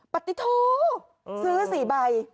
ปฏิโทซื้อ๔ใบ